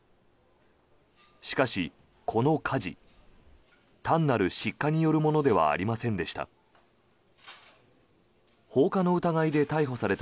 しかし、この火事単なる失火によるものではありませんでした。